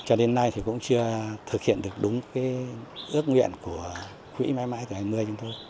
cho đến nay thì cũng chưa thực hiện được đúng cái ước nguyện của quỹ mãi mãi tuổi hai mươi chúng tôi